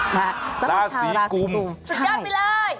สำหรับชาวราศีตุสุดยอดไปเลย